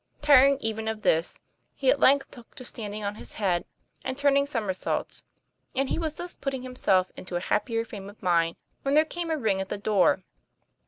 Tiring even of this, he at length took to standing on his head and turning somer saults; and he was thus putting himself into a hap pier frame of mind, when there came a ring at the door.